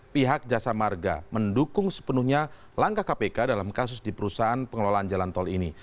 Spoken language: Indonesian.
pihak jasa marga mendukung sepenuhnya langkah kpk dalam kasus di perusahaan pengelolaan jalan tol ini